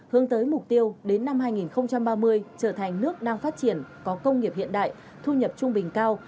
hướng tới mục tiêu đến năm hai nghìn ba mươi trở thành nước đang phát triển có công nghiệp hiện đại thu nhập trung bình cao